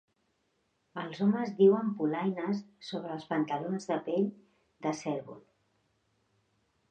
Els homes duien polaines sobre els pantalons de pell de cérvol.